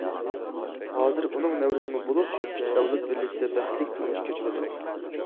ھازىر ئۇنىڭ نەۋرىسىمۇ بولۇپ، ئۈچ ئەۋلاد بىرلىكتە بەختلىك تۇرمۇش كەچۈرۈۋاتىدۇ.